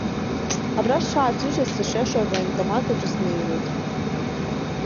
Абра сшааҭрыжьыз, сышиашоу авоенкомат аҿы снеиуеит.